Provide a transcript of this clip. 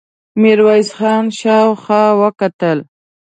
ميرويس خان شاوخوا وکتل.